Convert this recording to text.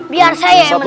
biar saya yang menanya